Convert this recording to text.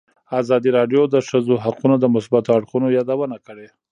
ازادي راډیو د د ښځو حقونه د مثبتو اړخونو یادونه کړې.